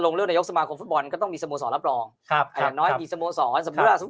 ลงเลือกนะยกสมาคมฟุตบอลก็ต้องมีสโมสรรับรองแต่สบู่